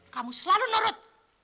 kamu selalu nurut